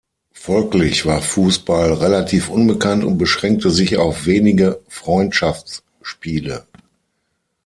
Folglich war Fußball relativ unbekannt und beschränkte sich auf wenige Freundschaftsspiele.